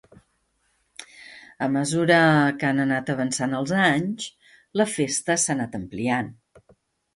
A mesura que han anat avançant els anys, la festa s'ha anat ampliant.